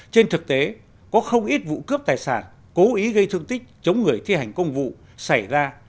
trên thực tế có không ít vụ cướp tài sản cố ý gây thương tích chống người thi hành công vụ xảy ra